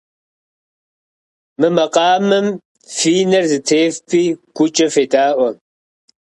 Мы макъамэм фи нэр зэтефпӏи гукӏэ федаӏуэ.